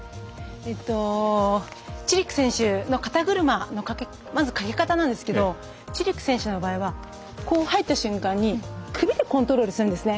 チェリック選手の肩車のかけ方なんですけどチェリック選手の場合はこう入った瞬間に首でコントロールするんですね。